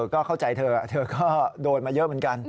ก็เข้าใจเธอเธอก็โดนมาเยอะเหมือนกัน